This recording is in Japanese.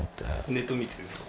ネット見てですか？